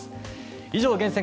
以上、厳選！